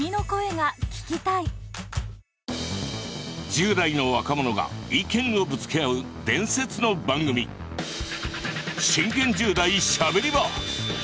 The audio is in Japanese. １０代の若者が意見をぶつけ合う伝説の番組「真剣１０代しゃべり場」。